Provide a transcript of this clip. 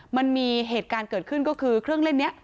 มันมีเหตุการณ์เกิดขึ้นก็คือเครื่องเล่นนี้